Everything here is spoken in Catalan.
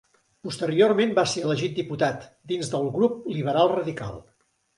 Posteriorment va ser elegit diputat, dins el grup liberal radical.